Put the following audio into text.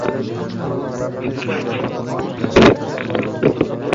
Men o‘n yoshda edim